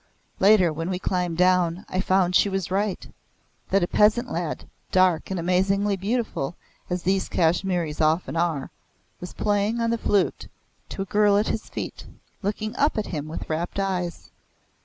Later when we climbed down I found she was right that a peasant lad, dark and amazingly beautiful as these Kashmiris often are, was playing on the flute to a girl at his feet looking up at him with rapt eyes.